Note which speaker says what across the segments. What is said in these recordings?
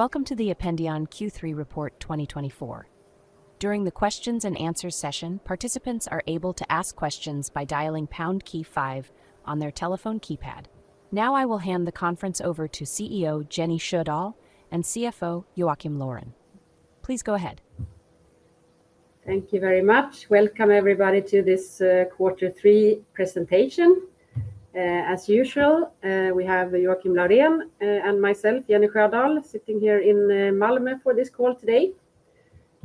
Speaker 1: Welcome to the Ependion Q3 Report 2024. During the questions and answers session, participants are able to ask questions by dialing pound key five on their telephone keypad. Now, I will hand the conference over to CEO Jenny Sjödahl, and CFO Joakim Laurén. Please go ahead.
Speaker 2: Thank you very much. Welcome, everybody, to this Q3 presentation. As usual, we have Joakim Laurén, and myself, Jenny Sjödahl, sitting here in Malmö for this call today.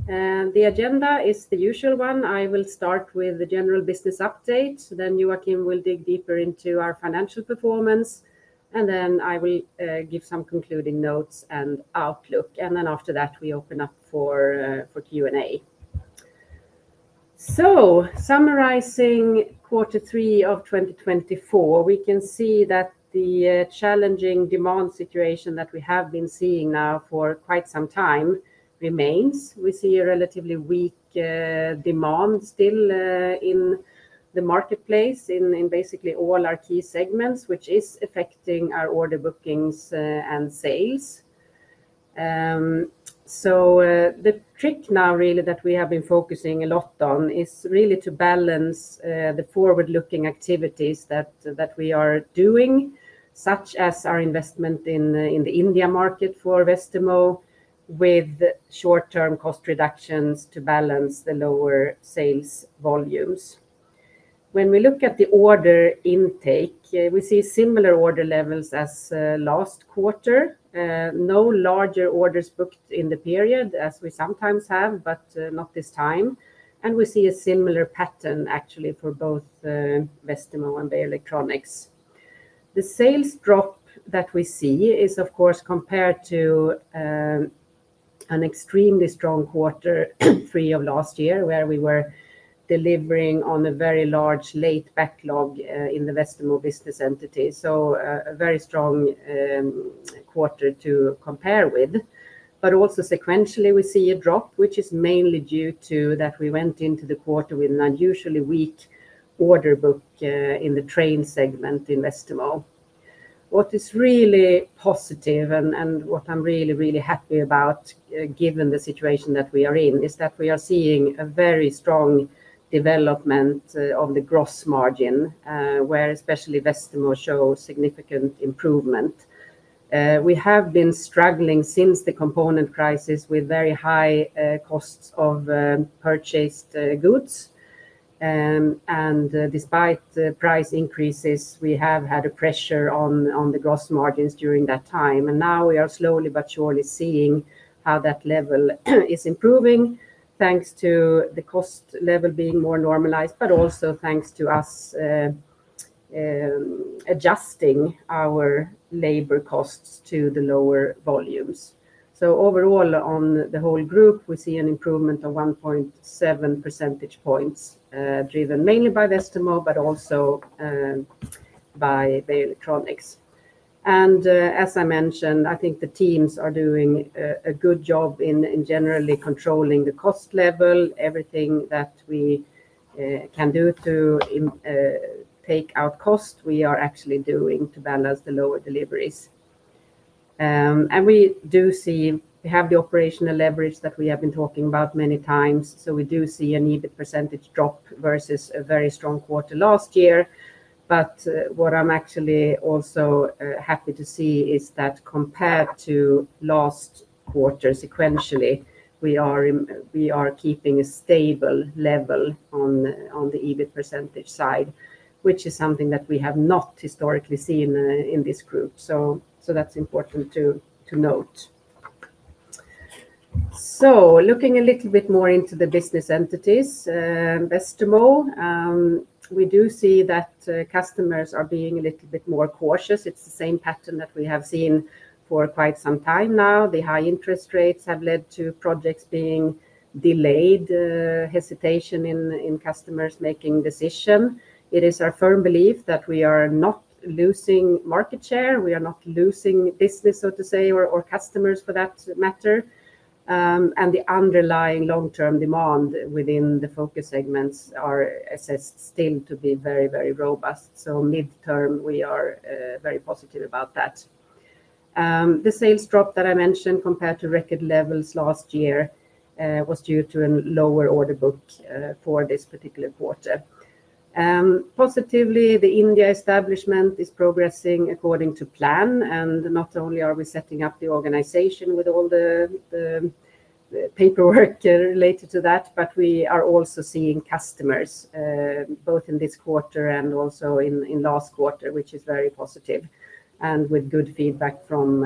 Speaker 2: The agenda is the usual one. I will start with the general business update, then Joakim will dig deeper into our financial performance, and then I will give some concluding notes and outlook. And then after that, we open up for Q&A. So summarizing Q3 of 2024, we can see that the challenging demand situation that we have been seeing now for quite some time remains. We see a relatively weak demand still in the marketplace, in basically all our key segments, which is affecting our order bookings and sales. So, the trick now, really, that we have been focusing a lot on is really to balance the forward-looking activities that we are doing, such as our investment in the India market for Westermo, with short-term cost reductions to balance the lower sales volumes. When we look at the order intake, we see similar order levels as last quarter. No larger orders booked in the period, as we sometimes have, but not this time, and we see a similar pattern actually for both Westermo and Beijer Electronics. The sales drop that we see is, of course, compared to an extremely strong Q3 of last year, where we were delivering on a very large late backlog in the Westermo business entity, so a very strong quarter to compare with. But also sequentially, we see a drop, which is mainly due to that we went into the quarter with an unusually weak order book in the train segment in Westermo. What is really positive and what I'm really, really happy about, given the situation that we are in, is that we are seeing a very strong development of the gross margin, where especially Westermo shows significant improvement. We have been struggling since the component crisis with very high costs of purchased goods. And despite the price increases, we have had a pressure on the gross margins during that time. And now we are slowly but surely seeing how that level is improving, thanks to the cost level being more normalized, but also thanks to us adjusting our labor costs to the lower volumes. Overall, on the whole group, we see an improvement of 1.7 percentage points, driven mainly by Westermo, but also by Beijer Electronics. As I mentioned, I think the teams are doing a good job in generally controlling the cost level. Everything that we can do to take out cost, we are actually doing to balance the lower deliveries. And we do see. We have the operational leverage that we have been talking about many times, so we do see an EBIT percentage drop versus a very strong quarter last year. What I'm actually also happy to see is that compared to last quarter, sequentially, we are keeping a stable level on the EBIT percentage side, which is something that we have not historically seen in this group. So that's important to note. So looking a little bit more into the business entities, Westermo, we do see that customers are being a little bit more cautious. It's the same pattern that we have seen for quite some time now. The high interest rates have led to projects being delayed, hesitation in customers making decision. It is our firm belief that we are not losing market share, we are not losing business, so to say, or customers for that matter. And the underlying long-term demand within the focus segments are assessed still to be very, very robust. So midterm, we are very positive about that. The sales drop that I mentioned compared to record levels last year was due to a lower order book for this particular quarter. Positively, the India establishment is progressing according to plan, and not only are we setting up the organization with all the paperwork related to that, but we are also seeing customers both in this quarter and also in last quarter, which is very positive, and with good feedback from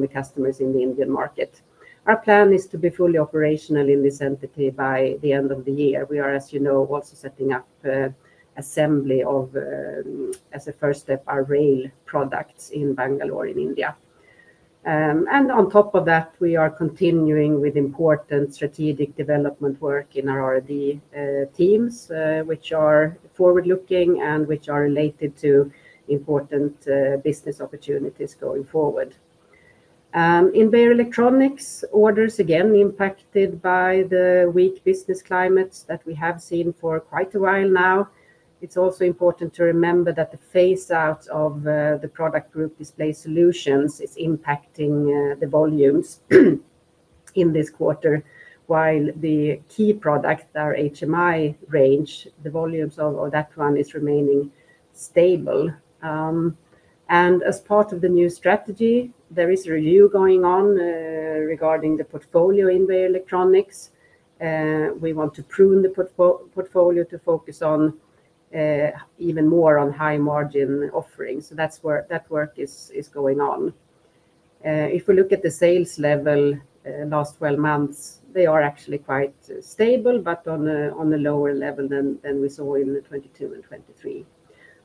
Speaker 2: the customers in the Indian market. Our plan is to be fully operational in this entity by the end of the year. We are, as you know, also setting up assembly of, as a first step, our rail products in Bangalore, in India. And on top of that, we are continuing with important strategic development work in our R&D teams, which are forward-looking and which are related to important business opportunities going forward. In Beijer Electronics, orders again impacted by the weak business climates that we have seen for quite a while now. It's also important to remember that the phase out of the product group Display Solutions is impacting the volumes in this quarter, while the key product, our HMI range, the volumes of that one is remaining stable. As part of the new strategy, there is a review going on regarding the portfolio in Beijer Electronics. We want to prune the portfolio to focus on even more on high margin offerings. So that's where that work is going on. If we look at the sales level, last twelve months, they are actually quite stable, but on a lower level than we saw in the 2022 and 2023.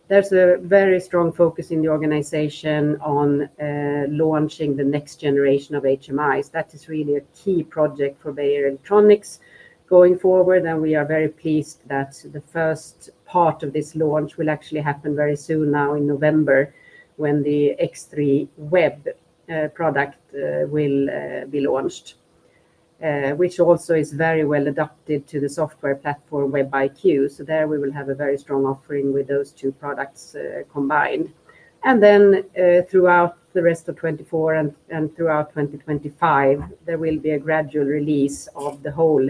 Speaker 2: There's a very strong focus in the organization on launching the next generation of HMI. So that is really a key project for Beijer Electronics going forward, and we are very pleased that the first part of this launch will actually happen very soon, now in November, when the X3 Web product will be launched. Which also is very well adapted to the software platform, WebIQ. So there we will have a very strong offering with those two products combined. And then, throughout the rest of 2024 and throughout 2025, there will be a gradual release of the whole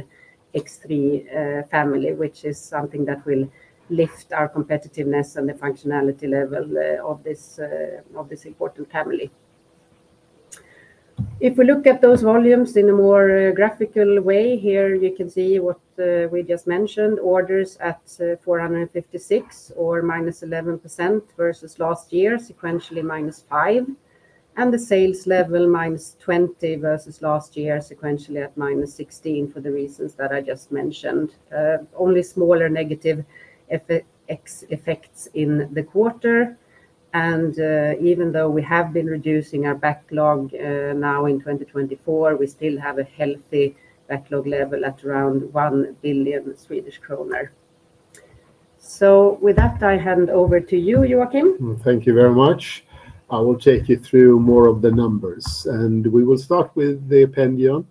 Speaker 2: X3 family, which is something that will lift our competitiveness and the functionality level of this important family. If we look at those volumes in a more graphical way, here you can see what we just mentioned, orders at 456 or -11% versus last year, sequentially -5%, and the sales level -20% versus last year, sequentially at -16%, for the reasons that I just mentioned. Only smaller negative effects in the quarter. Even though we have been reducing our backlog now in 2024, we still have a healthy backlog level at around 1 billion Swedish kronor. So with that, I hand over to you, Joakim.
Speaker 3: Thank you very much. I will take you through more of the numbers, and we will start with Ependion.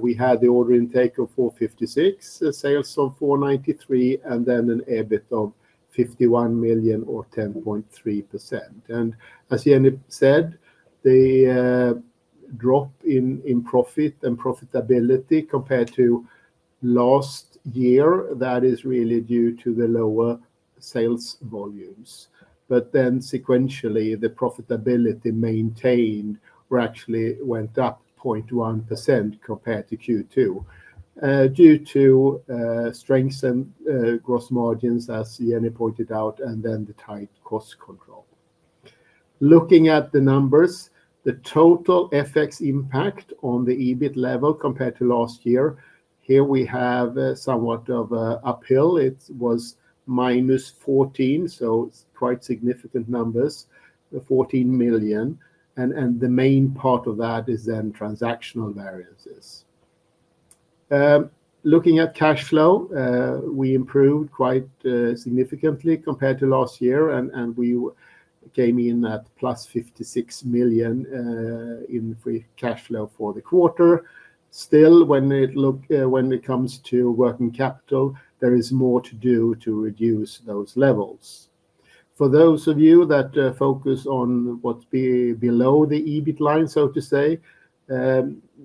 Speaker 3: We had the order intake of 456 million, sales of 493 million, and then an EBIT of 51 million or 10.3%. As Jenny said, the drop in profit and profitability compared to last year, that is really due to the lower sales volumes, but then sequentially, the profitability maintained or actually went up 0.1% compared to Q2, due to strengthened gross margins, as Jenny pointed out, and then the tight cost control. Looking at the numbers, the total FX impact on the EBIT level compared to last year, here we have somewhat of an uphill. It was -14 million, so it's quite significant numbers, the 14 million, and the main part of that is then transactional variances. Looking at cash flow, we improved quite significantly compared to last year, and we came in at +56 million in free cash flow for the quarter. Still, when it looks, when it comes to working capital, there is more to do to reduce those levels. For those of you that focus on what's below the EBIT line, so to say,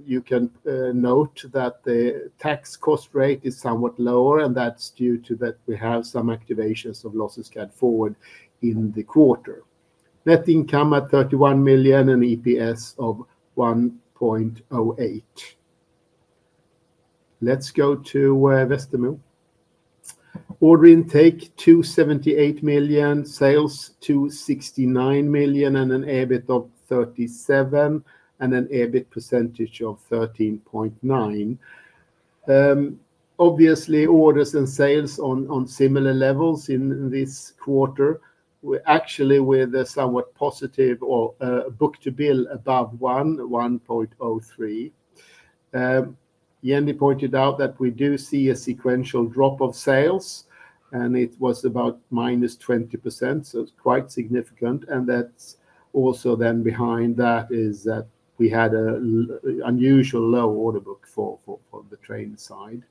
Speaker 3: you can note that the tax cost rate is somewhat lower, and that's due to that we have some activations of losses carried forward in the quarter. Net income at 31 million and EPS of 1.08. Let's go to Westermo. Order intake 278 million, sales 269 million, and an EBIT of 37 million, and an EBIT percentage of 13.9%. Obviously, orders and sales on similar levels in this quarter. We're actually with a somewhat positive or book-to-bill of 1.03. Jenny pointed out that we do see a sequential drop of sales, and it was about -20%, so it's quite significant, and that's also then behind that is that we had a unusual low order book for the train side.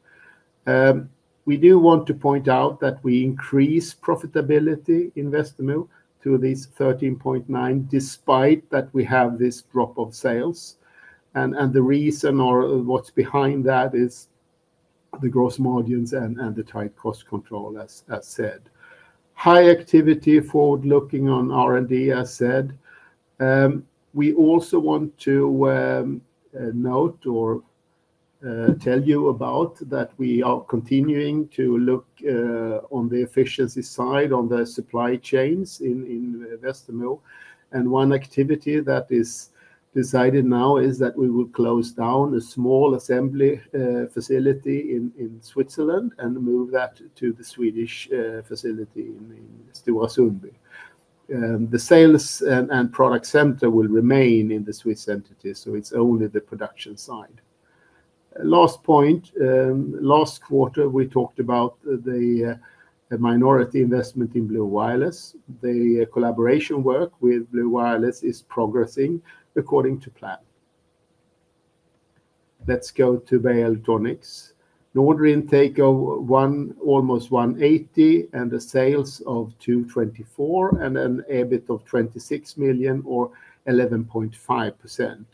Speaker 3: We do want to point out that we increased profitability in Westermo to these 13.9%, despite that we have this drop of sales, and the reason, or what's behind that, is the gross margins and the tight cost control, as said. High activity forward looking on R&D, as said. We also want to note or tell you about that we are continuing to look on the efficiency side, on the supply chains in Westermo, and one activity that is decided now is that we will close down a small assembly facility in Switzerland and move that to the Swedish facility in Sundbyberg. The sales and product center will remain in the Swiss entity, so it's only the production side. Last point, last quarter, we talked about the minority investment in Blue Wireless. The collaboration work with Blue Wireless is progressing according to plan. Let's go to Beijer Electronics. The order intake of almost 180, and the sales of 224, and an EBIT of 26 million or 11.5%.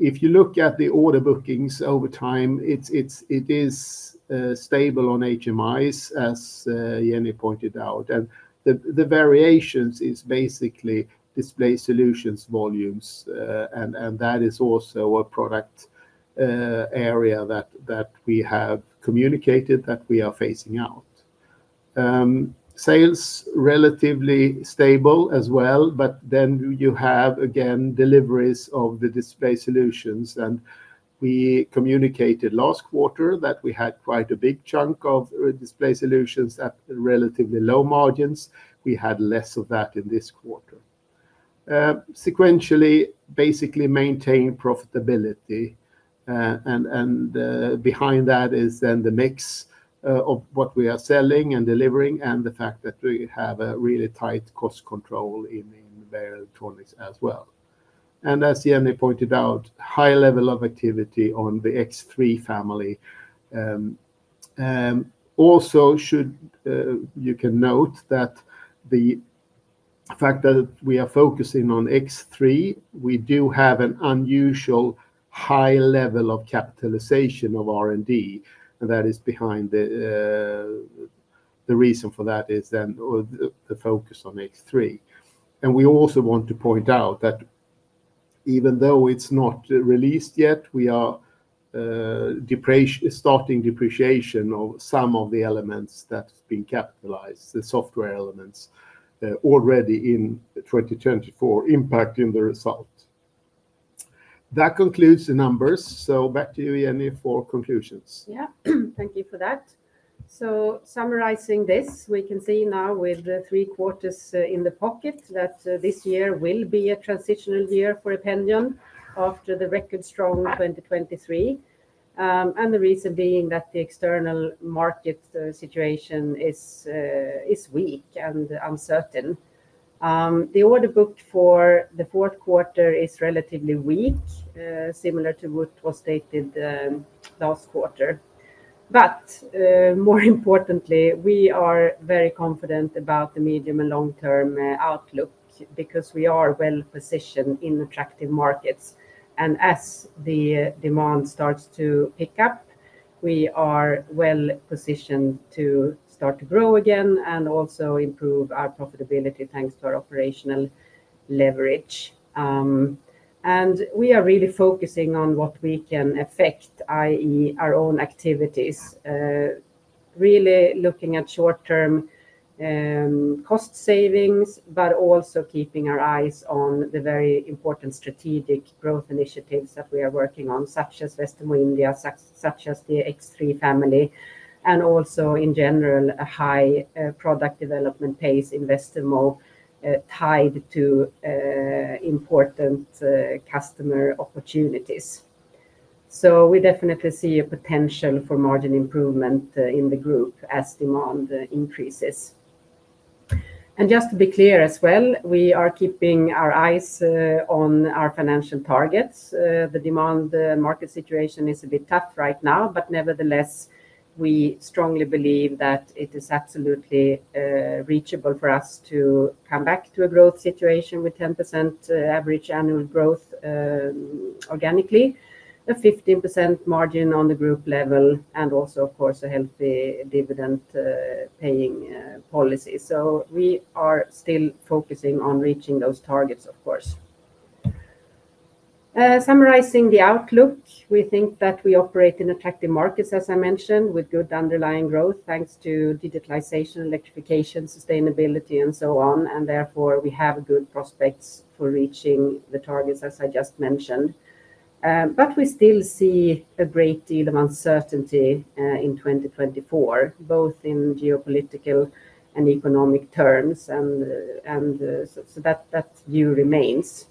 Speaker 3: If you look at the order bookings over time, it is stable on HMIs, as Jenny pointed out, and the variations is basically Display Solutions, volumes, and that is also a product area that we have communicated that we are phasing out. Sales relatively stable as well, but then you have, again, deliveries of the Display Solutions, and we communicated last quarter that we had quite a big chunk of Display Solutions at relatively low margins. We had less of that in this quarter. Sequentially, basically maintaining profitability, and behind that is then the mix of what we are selling and delivering, and the fact that we have a really tight cost control in Electronics as well. And as Jenny pointed out, high level of activity on the X3 family. And also, you can note that the fact that we are focusing on X3, we do have an unusual high level of capitalization of R&D, and that is behind the. The reason for that is then the focus on X3. And we also want to point out that even though it is not released yet, we are starting depreciation of some of the elements that has been capitalized, the software elements, already in 2024, impacting the result. That concludes the numbers, so back to you, Jenny, for conclusions.
Speaker 2: Yeah. Thank you for that. So, summarizing this, we can see now with the three quarters in the pocket that this year will be a transitional year for Ependion after the record-strong 2023, and the reason being that the external market situation is weak and uncertain. The order book for the fourth quarter is relatively weak, similar to what was stated last quarter, but more importantly, we are very confident about the medium- and long-term outlook because we are well-positioned in attractive markets, and as the demand starts to pick up, we are well-positioned to start to grow again and also improve our profitability, thanks to our operational leverage, and we are really focusing on what we can affect, i.e., our own activities. Really looking at short-term cost savings, but also keeping our eyes on the very important strategic growth initiatives that we are working on, such as Westermo India, such as the X3 family, and also, in general, a high product development pace in Westermo, tied to important customer opportunities, so we definitely see a potential for margin improvement in the group as demand increases, and just to be clear as well, we are keeping our eyes on our financial targets. The demand market situation is a bit tough right now, but nevertheless, we strongly believe that it is absolutely reachable for us to come back to a growth situation with 10% average annual growth, organically, a 15% margin on the group level, and also, of course, a healthy dividend paying policy. We are still focusing on reaching those targets, of course. Summarizing the outlook, we think that we operate in attractive markets, as I mentioned, with good underlying growth, thanks to digitalization, electrification, sustainability, and so on. Therefore, we have good prospects for reaching the targets, as I just mentioned, but we still see a great deal of uncertainty in 2024, both in geopolitical and economic terms, and so that view remains.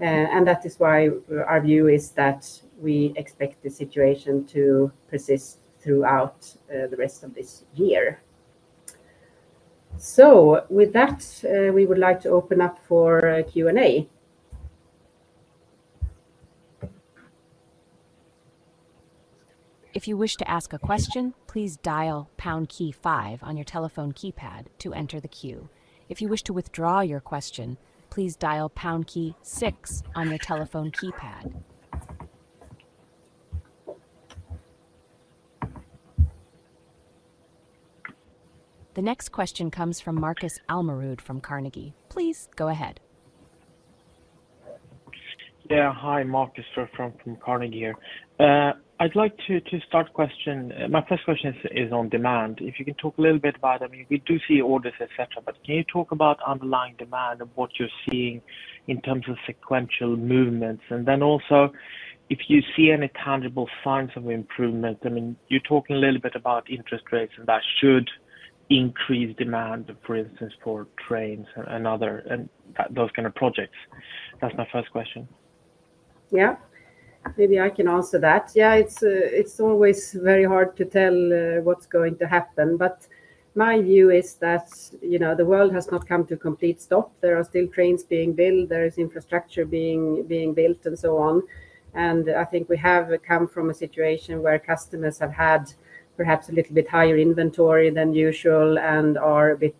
Speaker 2: That is why our view is that we expect the situation to persist throughout the rest of this year. With that, we would like to open up for Q&A.
Speaker 1: If you wish to ask a question, please dial pound key five on your telephone keypad to enter the queue. If you wish to withdraw your question, please dial pound key six on your telephone keypad. The next question comes from Markus Almerud from Carnegie. Please go ahead.
Speaker 4: Yeah, hi, Marcus from Carnegie here. I'd like to start question. My first question is on demand. If you can talk a little bit about, I mean, we do see orders, et cetera, but can you talk about underlying demand and what you're seeing in terms of sequential movements? And then also, if you see any tangible signs of improvement, I mean, you're talking a little bit about interest rates, and that should increase demand, for instance, for trains and other, and that, those kind of projects. That's my first question....
Speaker 2: Yeah, maybe I can answer that. Yeah, it's always very hard to tell what's going to happen, but my view is that, you know, the world has not come to a complete stop. There are still trains being built, there is infrastructure being built, and so on. And I think we have come from a situation where customers have had perhaps a little bit higher inventory than usual and are a bit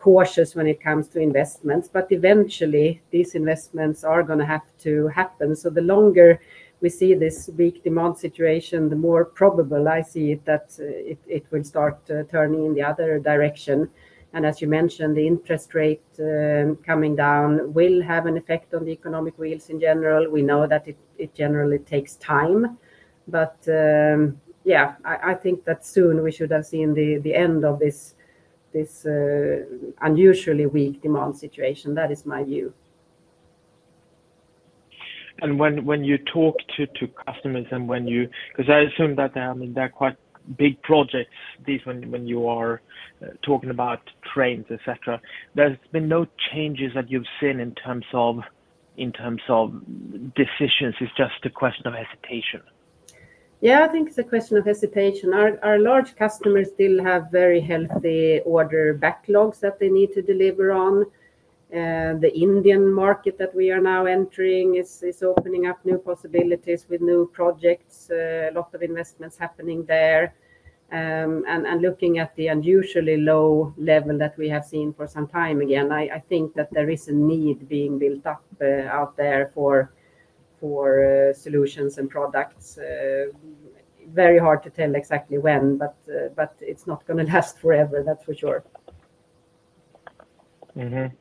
Speaker 2: cautious when it comes to investments. But eventually, these investments are gonna have to happen. So the longer we see this weak demand situation, the more probable I see it that it will start turning in the other direction. And as you mentioned, the interest rate coming down will have an effect on the economic wheels in general. We know that it generally takes time, but, yeah, I think that soon we should have seen the end of this unusually weak demand situation. That is my view.
Speaker 4: And when you talk to customers and when you, 'cause I assume that, I mean, they're quite big projects, these, when you are talking about trains, et cetera. There's been no changes that you've seen in terms of decisions, it's just a question of hesitation?
Speaker 2: Yeah, I think it's a question of hesitation. Our large customers still have very healthy order backlogs that they need to deliver on. The Indian market that we are now entering is opening up new possibilities with new projects, a lot of investments happening there, and looking at the unusually low level that we have seen for some time, again, I think that there is a need being built up out there for solutions and products. Very hard to tell exactly when, but it's not gonna last forever, that's for sure.
Speaker 4: Mm-hmm.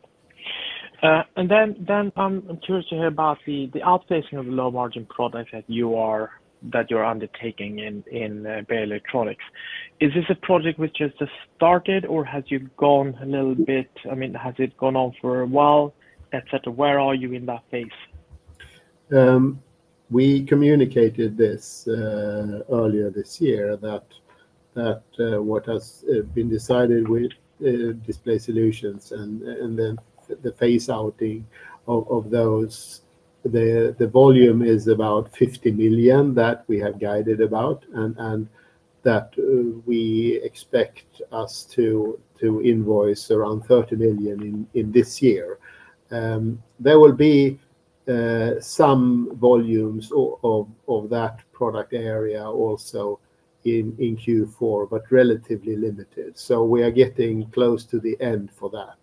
Speaker 4: And then, I'm curious to hear about the phasing out of the low-margin products that you're undertaking in Beijer Electronics. Is this a project which just started, or have you gone a little bit? I mean, has it gone on for a while, et cetera? Where are you in that phase?
Speaker 3: We communicated this earlier this year, that what has been decided with Display Solutions and then the phasing out of those. The volume is about 50 million that we have guided about, and that we expect to invoice around 30 million in this year. There will be some volumes of that product area also in Q4, but relatively limited, so we are getting close to the end for that.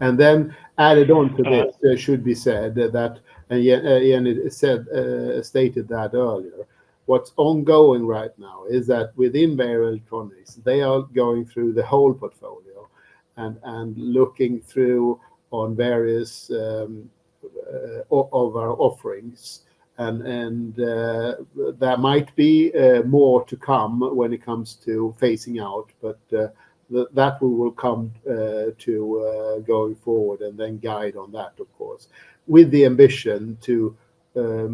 Speaker 3: And then added on to this, it should be said that and it stated that earlier, what's ongoing right now is that within Beijer Electronics, they are going through the whole portfolio and looking through on various of our offerings, and there might be more to come when it comes to phasing out. But that we will come to going forward, and then guide on that, of course, with the ambition to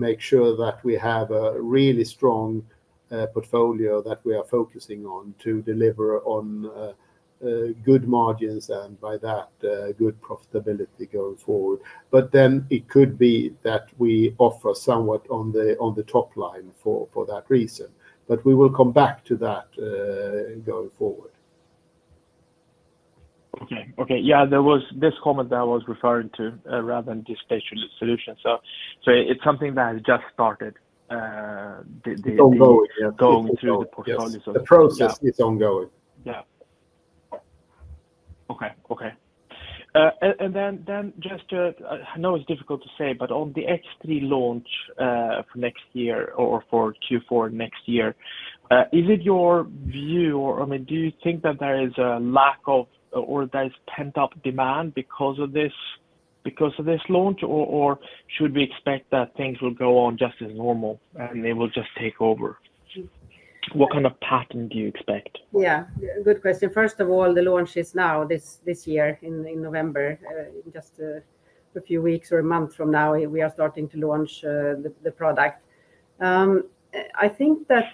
Speaker 3: make sure that we have a really strong portfolio that we are focusing on to deliver on good margins, and by that good profitability going forward. But then it could be that we offer somewhat on the top line for that reason, but we will come back to that going forward.
Speaker 4: Okay, okay. Yeah, there was this comment that I was referring to, rather than Display Solutions. So, it's something that has just started.
Speaker 3: It's ongoing, yeah.
Speaker 4: Going through the portfolio.
Speaker 3: Yes. The process is ongoing.
Speaker 4: Yeah. Okay, okay. And then just to... I know it's difficult to say, but on the X3 launch, for next year or for Q4 next year, is it your view, or, I mean, do you think that there is a lack of or there is pent-up demand because of this launch? Or should we expect that things will go on just as normal, and they will just take over? What kind of pattern do you expect?
Speaker 2: Yeah, good question. First of all, the launch is now, this year, in November, in just a few weeks or a month from now, we are starting to launch the product. I think that,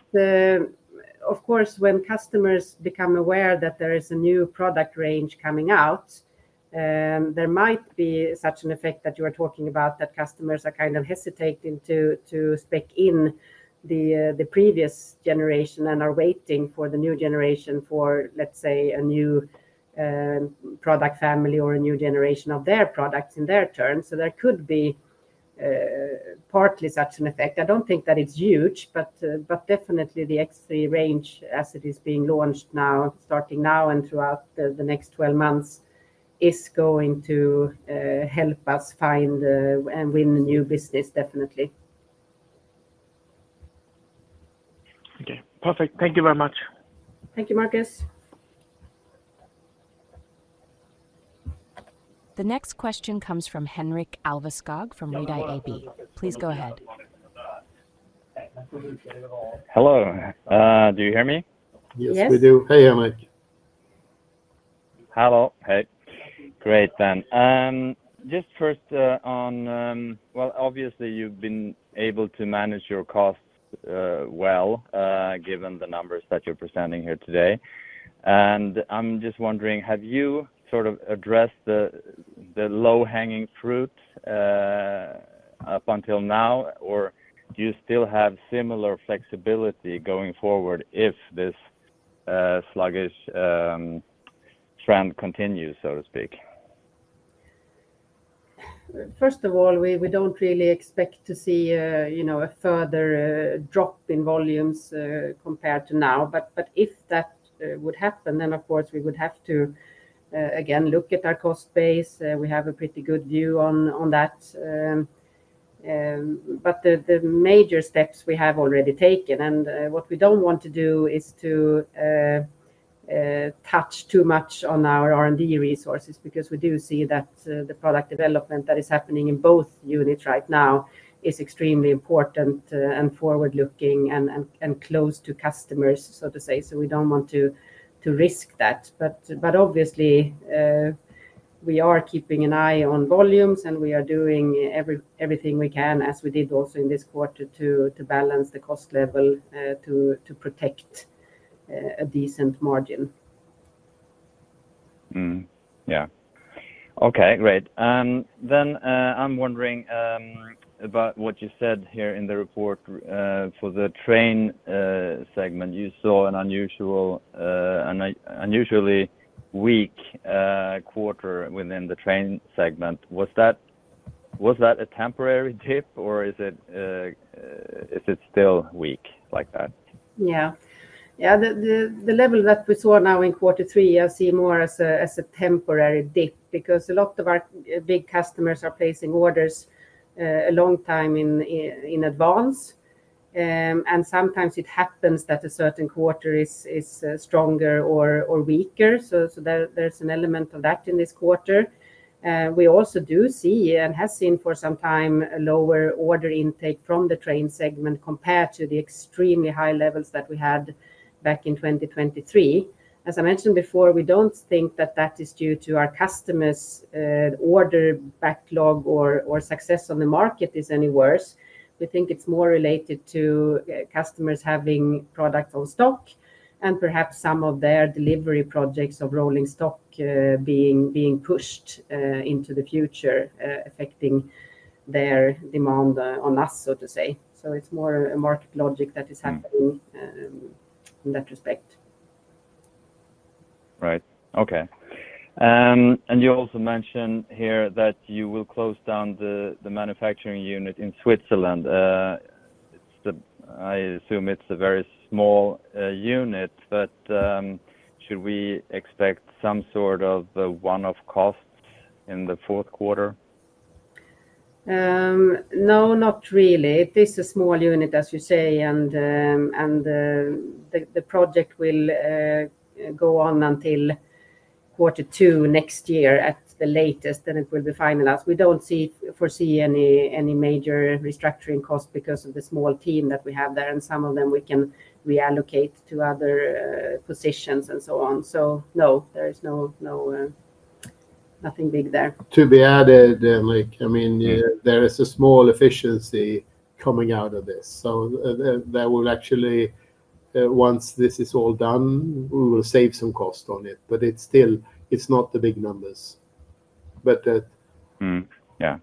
Speaker 2: of course, when customers become aware that there is a new product range coming out, there might be such an effect that you are talking about, that customers are kind of hesitating to spec in the previous generation and are waiting for the new generation for, let's say, a new product family or a new generation of their products in their turn. So there could be partly such an effect. I don't think that it's huge, but definitely the X3 range, as it is being launched now, starting now and throughout the next twelve months, is going to help us find and win new business, definitely.
Speaker 4: Okay, perfect. Thank you very much.
Speaker 2: Thank you, Markus.
Speaker 1: The next question comes from Henrik Alveskog, from Redeye AB. Please go ahead.
Speaker 5: Hello. Do you hear me?
Speaker 2: Yes.
Speaker 3: Yes, we do. Hey, Henrik.
Speaker 5: Hello. Hey, great then, just first, on... Well, obviously, you've been able to manage your costs, well, given the numbers that you're presenting here today... And I'm just wondering, have you sort of addressed the low-hanging fruit up until now? Or do you still have similar flexibility going forward if this sluggish trend continues, so to speak?
Speaker 2: First of all, we don't really expect to see a, you know, a further drop in volumes compared to now. But if that would happen, then of course, we would have to again look at our cost base. We have a pretty good view on that. But the major steps we have already taken, and what we don't want to do is to touch too much on our R&D resources. Because we do see that the product development that is happening in both units right now is extremely important, and forward-looking and close to customers, so to say. So we don't want to risk that. But obviously, we are keeping an eye on volumes, and we are doing everything we can, as we did also in this quarter, to protect a decent margin.
Speaker 5: Mm-hmm. Yeah. Okay, great. Then, I'm wondering about what you said here in the report for the train segment. You saw an unusually weak quarter within the train segment. Was that a temporary dip, or is it still weak like that?
Speaker 2: Yeah. Yeah, the level that we saw now in Q3, I see more as a temporary dip. Because a lot of our big customers are placing orders a long time in advance. And sometimes it happens that a certain quarter is stronger or weaker. So there's an element of that in this quarter. We also do see, and have seen for some time, a lower order intake from the train segment compared to the extremely high levels that we had back in 2023. As I mentioned before, we don't think that that is due to our customers' order backlog or success on the market is any worse. We think it's more related to customers having product on stock, and perhaps some of their delivery projects of rolling stock being pushed into the future, affecting their demand on us, so to say. So it's more a market logic that is happening-
Speaker 5: Mm-hmm...
Speaker 2: in that respect.
Speaker 5: Right. Okay, and you also mentioned here that you will close down the manufacturing unit in Switzerland. It's. I assume it's a very small unit, but should we expect some sort of one-off costs in the fourth quarter?
Speaker 2: No, not really. It is a small unit, as you say, and the project will go on until quarter two next year at the latest, then it will be finalized. We don't foresee any major restructuring cost because of the small team that we have there, and some of them we can reallocate to other positions and so on. So no, there is nothing big there.
Speaker 3: To be added, like, I mean- Yeah... there is a small efficiency coming out of this. So, there will actually, once this is all done, we will save some cost on it, but it's still. It's not the big numbers. But.
Speaker 5: Mm-hmm. Yeah.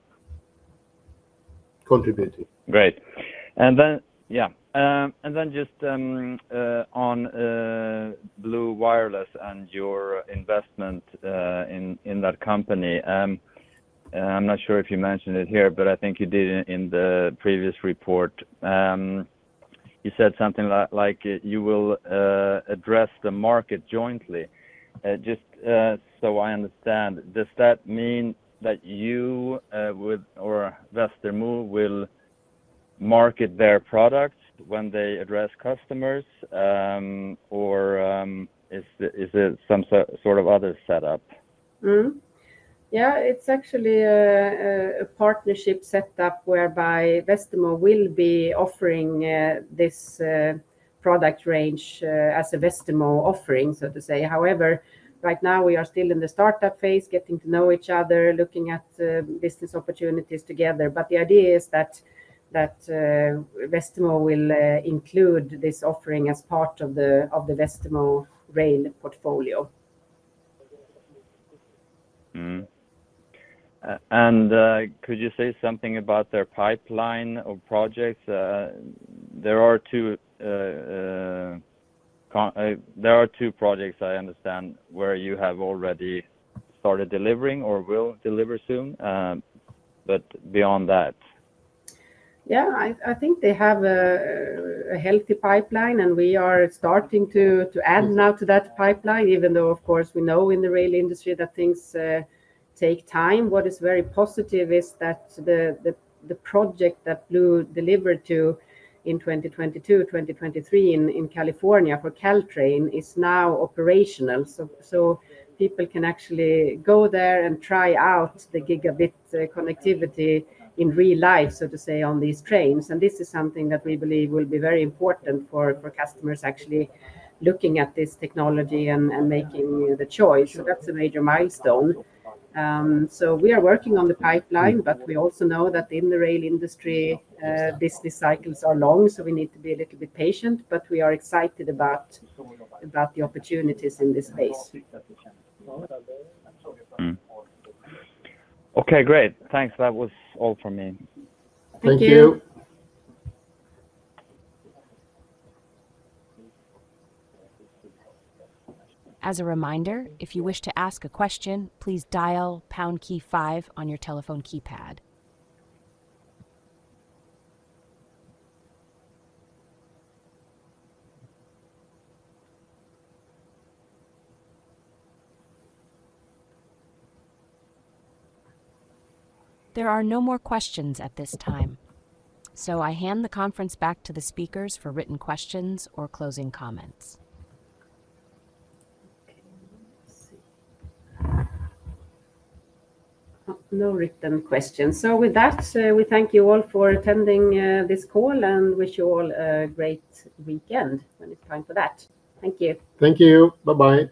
Speaker 3: Contributing.
Speaker 5: Great! And then, yeah, and then just on Blue Wireless and your investment in that company, and I'm not sure if you mentioned it here, but I think you did in the previous report. You said something like you will address the market jointly. Just so I understand, does that mean that you would or Westermo will market their products when they address customers? Or is it some sort of other setup?
Speaker 2: Mm-hmm. Yeah, it's actually a partnership setup whereby Westermo will be offering this product range as a Westermo offering, so to say. However, right now, we are still in the startup phase, getting to know each other, looking at business opportunities together. But the idea is that Westermo will include this offering as part of the Westermo rail portfolio.
Speaker 5: Mm-hmm. Could you say something about their pipeline of projects? There are two projects I understand, where you have already started delivering or will deliver soon, but beyond that.
Speaker 2: Yeah, I think they have a healthy pipeline, and we are starting to add now to that pipeline, even though, of course, we know in the rail industry that things take time. What is very positive is that the project that Blue delivered to in twenty twenty-two, twenty twenty-three in California for Caltrain is now operational. So people can actually go there and try out the gigabit connectivity in real life, so to say, on these trains. And this is something that we believe will be very important for customers actually looking at this technology and making the choice. So that's a major milestone. So we are working on the pipeline, but we also know that in the rail industry, these cycles are long, so we need to be a little bit patient, but we are excited about the opportunities in this space.
Speaker 5: Mm-hmm. Okay, great. Thanks. That was all from me.
Speaker 2: Thank you.
Speaker 3: Thank you.
Speaker 1: As a reminder, if you wish to ask a question, please dial pound key five on your telephone keypad. There are no more questions at this time, so I hand the conference back to the speakers for written questions or closing comments.
Speaker 2: Okay, let's see. No written questions. So with that, we thank you all for attending this call and wish you all a great weekend, when it's time for that. Thank you.
Speaker 3: Thank you. Bye-bye.